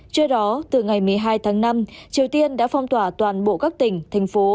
trước đó từ ngày một mươi hai tháng năm triều tiên đã phong tỏa toàn bộ các tỉnh thành phố